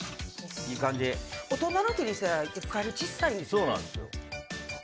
大人の手にしたらちっさいんですよ。